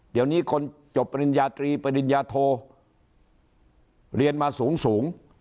เดี๋ยวนี้คนจบปริญญาตรีปริญญาโทเรียนมาสูง